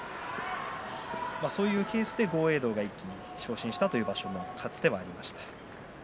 そういうケースで豪栄道が昇進したという場所がかつてはありました。